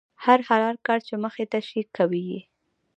هر حلال کار چې مخې ته شي، کوي یې.